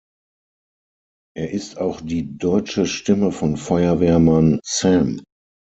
Er ist auch die deutsche Stimme von Feuerwehrmann Sam.